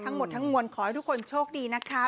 ทั้งหมดทั้งมวลขอให้ทุกคนโชคดีนะคะ